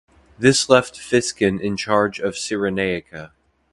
This left Physcon in charge of Cyrenaica.